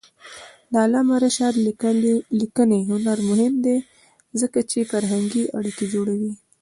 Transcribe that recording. د علامه رشاد لیکنی هنر مهم دی ځکه چې فرهنګي اړیکې جوړوي.